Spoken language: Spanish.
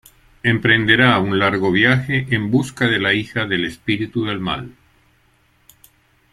Emprenderá un largo viaje en busca de la hija del espíritu del Mal.